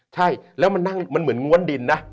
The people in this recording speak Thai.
ใช่แล้วมันเหมือนงวนดินนะ